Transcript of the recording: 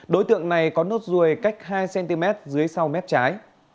đối tượng này có nốt ruồi cách hai cm dưới sau mép trái